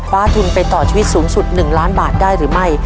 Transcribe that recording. ทุนไปต่อชีวิตสูงสุด๑ล้านบาทได้หรือไม่